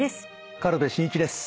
軽部真一です。